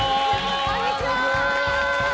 こんにちは！